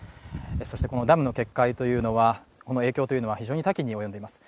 そしてこのダムの決壊の影響というのは非常に多岐にわたっています。